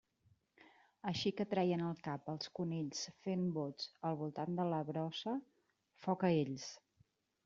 Així que treien el cap els conills fent bots al voltant de la brossa, foc a ells!